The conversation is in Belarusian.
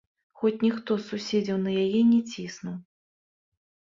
Хоць ніхто з суседзяў на яе не ціснуў.